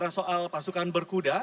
soal pasukan berkuda